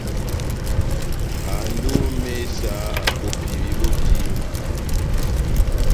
Ando ó imésa bopivi bó etímbi.